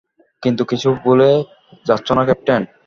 কিন্তু কিছু ভুলে যাচ্ছ না ক্যাপ্টেন?